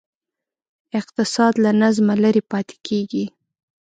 اقتصاد له نظمه لرې پاتې کېږي.